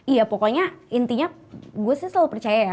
iya pokoknya intinya gue sih selalu percaya ya